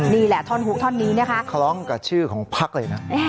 นี่แหละท่อนฮุกท่อนนี้นะคะคล้องกับชื่อของพักเลยนะ